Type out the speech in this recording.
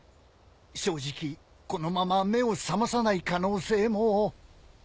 正直このまま目を覚まさない可能性も。